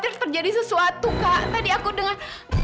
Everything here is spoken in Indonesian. tidak akan jadi sesuatu kak tadi aku dengar